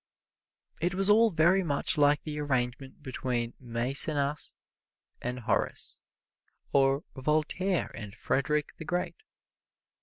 It was all very much like the arrangement between Mæcenas and Horace, or Voltaire and Frederick the Great.